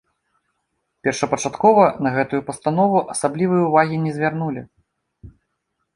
Першапачаткова на гэтую пастанову асаблівай увагі не звярнулі.